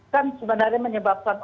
kan sebenarnya menyebabkan